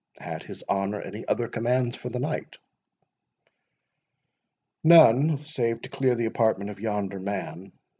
"Had his honour any other commands for the night?" "None, save to clear the apartment of yonder man.